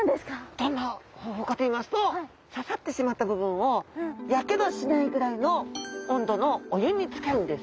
どんな方法かといいますと刺さってしまった部分をやけどしないぐらいの温度のお湯につけるんです。